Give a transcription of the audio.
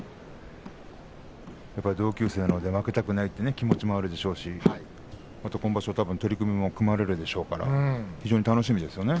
やっぱり同級生なので負けたくないという気持ちもあるでしょうしまた今場所、取組も組まれるでしょうから非常に楽しみですね。